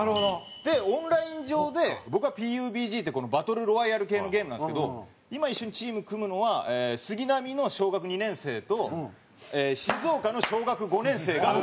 でオンライン上で僕は『ＰＵＢＧ』って『バトル・ロワイアル』系のゲームなんですけど今一緒にチーム組むのは杉並の小学２年生と静岡の小学５年生が。